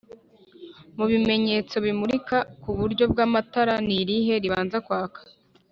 mubimenyetso bimurika kuburyo bw’amatara nirihe ribanza kwaka